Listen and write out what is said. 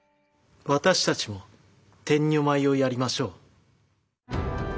私たちも天女舞をやりましょう。